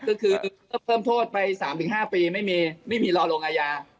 คือเพิ่มโทษไป๓๕ปีไม่มีรอลงอาญา